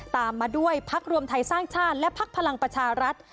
ตามมาด้วยพักรวมไทยสร้างชาติและพักพลังประชารัฐ